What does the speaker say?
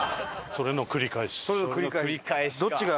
それの繰り返し。